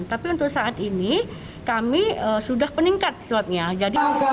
tapi untuk saat ini kami sudah peningkat swabnya